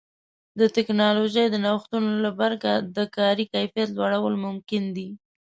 د ټکنالوژۍ د نوښتونو له برکه د کاري کیفیت لوړول ممکن دي.